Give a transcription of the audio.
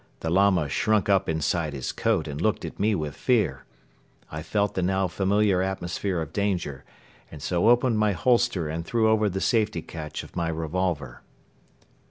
The Lama shrunk up inside his coat and looked at me with fear. I felt the now familiar atmosphere of danger and so opened my holster and threw over the safety catch of my revolver.